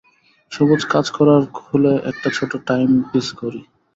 সবুজ কাঁচকড়ার খোলে একটা ছোট টাইমপিস ঘড়ি।